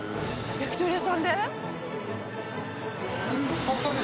焼き鳥屋さんで？